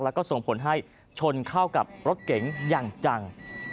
แล้วก็ส่งผลให้ชนเข้ากับรถเก๋งอย่างจัง